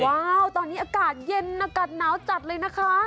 ว้าวตอนนี้อากาศเย็นอากาศหนาวจัดเลยนะคะ